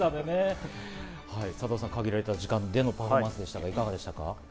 さとうさん、限られた時間の中でのパフォーマンスでしたけど、いかがでしたか？